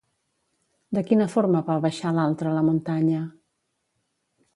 De quina forma va baixar l'altre la muntanya?